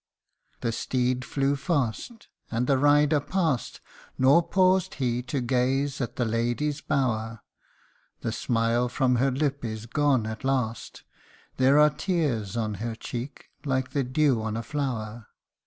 The steed flew fast and the rider past Nor paus'd he to gaze at the lady's bower ; The smile from her lip is gone at last There are tears on her cheek like the dew on a flower